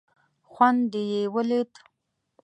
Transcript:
خوند دې یې ولید.